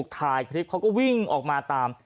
ถ่ายวินิโอมแล้ว